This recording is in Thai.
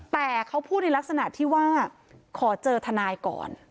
แต่เขาพูดในลักษณะที่ว่าขอเจอทนายก่อน